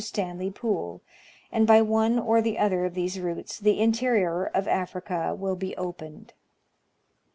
Stanley Pool; and by one or the other of these routes the inte rior of Africa will be opened.